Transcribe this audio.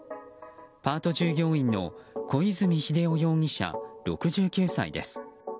パート従業員の小泉秀男容疑者、６９歳です。